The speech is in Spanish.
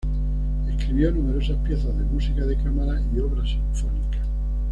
Escribió numerosas piezas de música de cámara y obras sinfónicas.